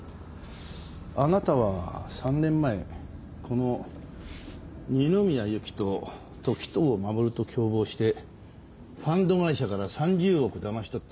あなたは３年前この二宮ゆきと時任守と共謀してファンド会社から３０億だまし取った。